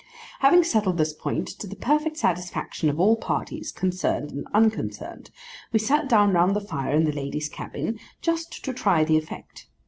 Having settled this point to the perfect satisfaction of all parties, concerned and unconcerned, we sat down round the fire in the ladies' cabin—just to try the effect.